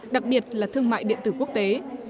đặc biệt là thương mại điện tử quốc tế